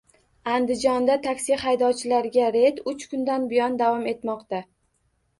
Andijonda taksi haydovchilariga reyd uch kundan buyon davom etmoqda